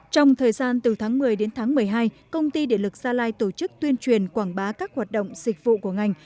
trong thời gian từ tháng một mươi đến tháng một mươi hai công ty điện lực gia lai tổ chức tuyên truyền quảng bá các hoạt động dịch vụ của ngành